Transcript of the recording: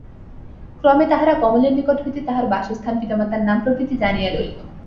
ক্রমে তাহারা কমলের নিকট হইতে তাহার বাসস্থান, পিতামাতার নাম, প্রভৃতি জানিয়া লইল।